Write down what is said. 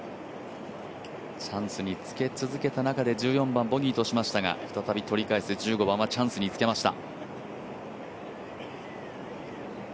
チャンスにつけ続けた中で１４番ボギーとしましたが、再び取り返し１５番はチャンスにつけました。